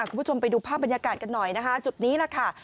คุณผู้ชมไปดูภาพบรรยากาศกันหน่อยนะคะจุดนี้แหละค่ะ